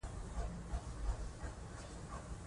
پانګوال باید ډاډه وي.